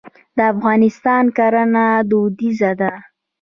د افغانستان کرنه دودیزه ده.